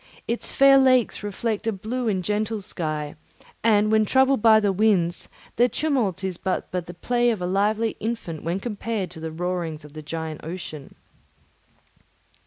Its fair lakes reflect a blue and gentle sky, and when troubled by the winds, their tumult is but as the play of a lively infant when compared to the roarings of the giant ocean.